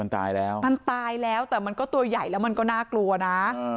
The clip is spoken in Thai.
มันตายแล้วมันตายแล้วแต่มันก็ตัวใหญ่แล้วมันก็น่ากลัวนะ